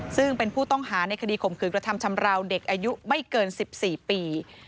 ซึ่งเป็นผู้ต้องหาในคดีข่มขืนกระทำชำราวเด็กอายุไม่เกิน๑๔ปี